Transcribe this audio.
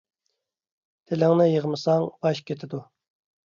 تىلىڭنى يىغمىساڭ باش كېتىدۇ.